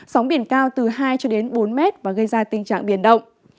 sóng biển cao từ hai bốn mét và gây ra tình trạng biển động